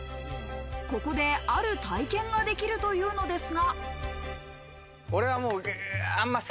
ここで、ある体験ができるというのですが。